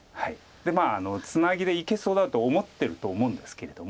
でツナギでいけそうだと思ってると思うんですけれども。